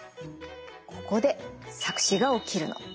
ここで錯視が起きるの。